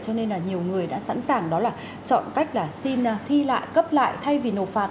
cho nên là nhiều người đã sẵn sàng đó là chọn cách là xin thi lại cấp lại thay vì nộp phạt